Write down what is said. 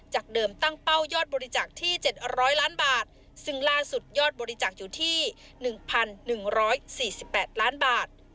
เดิมตั้งเป้ายอดบริจาคที่๗๐๐ล้านบาทซึ่งล่าสุดยอดบริจาคอยู่ที่๑๑๔๘ล้านบาท